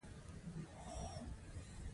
عمده پلورنه او پرچون پلورنه د هغې برخې دي